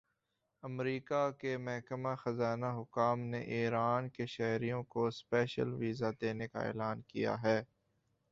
امریکا کے محکمہ خزانہ حکام نے ایران کے شہریوں کو سپیشل ویزا دینے کا اعلان کیا ہے